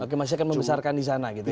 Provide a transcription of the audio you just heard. oke maksudnya kan membesarkan di sana gitu ya